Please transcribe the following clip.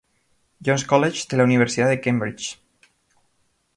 John's College de la Universidad de Cambridge.